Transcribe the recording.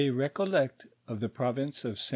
RECOLLECT OF THE PROVINCE OF ST.